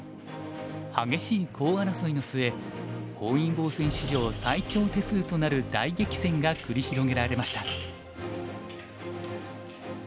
激しいコウ争いの末本因坊戦史上最長手数となる大激戦が繰り広げられました。